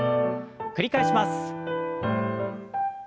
繰り返します。